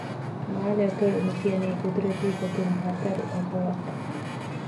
މާލެއަތޮޅު މި ކިޔަނީ ޤުދުރަތީ ގޮތުން ހަތަރު އަތޮޅަކަށް